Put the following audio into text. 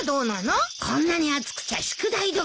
こんなに暑くちゃ宿題どころじゃないよ。